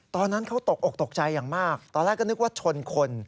ตอนนั้นเขาตกอกตกใจอย่างมากตอนแรกก็นึกว่าชนคน